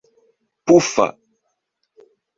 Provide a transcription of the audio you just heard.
pufa